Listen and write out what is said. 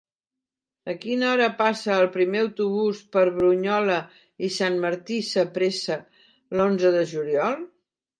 A quina hora passa el primer autobús per Brunyola i Sant Martí Sapresa l'onze de juliol?